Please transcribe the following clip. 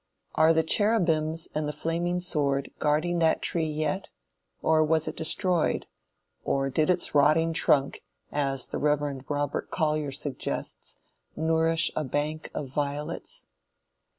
Are the Cherubims and the flaming sword guarding that tree yet, or was it destroyed, or did its rotting trunk, as the Rev. Robert Collyer suggests "nourish a bank of violets?"